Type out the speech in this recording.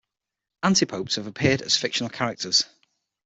Antipopes have appeared as fictional characters.